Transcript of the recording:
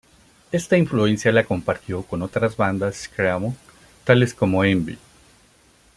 Esta influencia la compartió con otras bandas screamo, tales como Envy.